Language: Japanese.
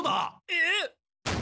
えっ！？